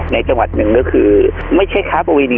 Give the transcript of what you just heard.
ในจังหวัดหนึ่งก็คือไม่ใช่ค้าประเวณี